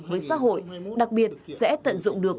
với xã hội đặc biệt sẽ tận dụng được